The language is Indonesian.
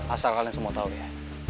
asal kalian semua tahu ya